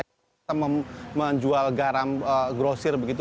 kita menjual garam grosir begitu